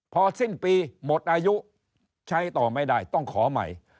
พอสิ้นปีหมดอายุใช้ต่อไม่ได้ต้องขอใหม่